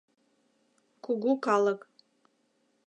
Кугу калык